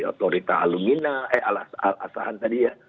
otorita asahan tadi ya